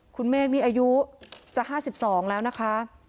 คุณเมกจะเอาอายุ๕๒แล้วนะคะ